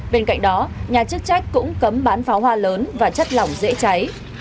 bên cạnh đó nhà chức trách cũng cấm bán pháo hoa lớn và chất lỏng dễ cháy